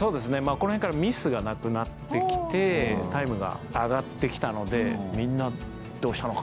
この辺からミスがなくなってきてタイムが上がってきたのでみんなどうしたのかな？